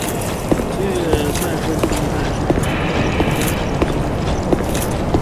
本届赛事继续在水晶宫国家体育中心举行。